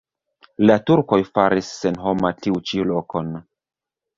La turkoj faris senhoma tiu ĉi lokon.